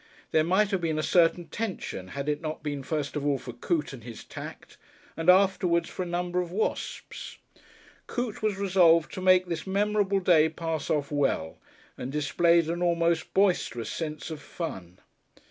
There might have been a certain tension had it not been first of all for Coote and his tact, and afterwards for a number of wasps. Coote was resolved to make this memorable day pass off well, and displayed an almost boisterous sense of fun.